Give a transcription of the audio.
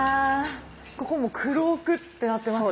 ここもうクロークってなってますね。